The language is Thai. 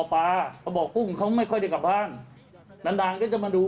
ปลาเขาบอกกุ้งเขาไม่ค่อยได้กลับบ้านนานนานก็จะมาดู